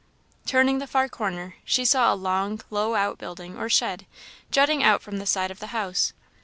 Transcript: Turning the far corner, she saw a long, low out building or shed, jutting out from the side of the house.